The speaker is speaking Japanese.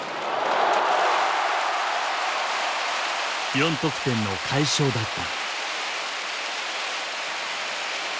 ４得点の快勝だった。